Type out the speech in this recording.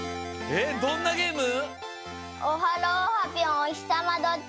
えっどんなゲーム？